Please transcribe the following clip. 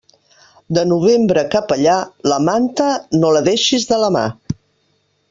De novembre cap allà, la manta, no la deixes de la mà.